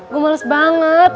gua males banget